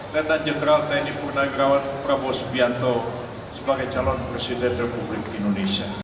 tentan general tni pernagrawan prabowo subianto sebagai calon presiden republik indonesia